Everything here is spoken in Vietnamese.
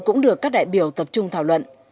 cũng được các đại biểu tập trung thảo luận